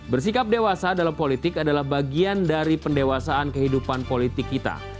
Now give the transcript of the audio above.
bersikap dewasa dalam politik adalah bagian dari pendewasaan kehidupan politik kita